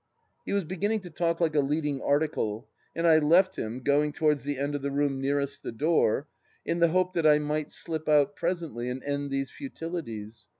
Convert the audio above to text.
..." He was beginning to talk like a leading article, and I left him, going towards the end of the room nearest the door, in the hope that I might slip out presently and end these futilities.